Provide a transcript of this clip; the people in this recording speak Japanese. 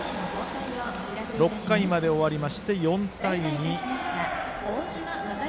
６回まで終わって、４対２。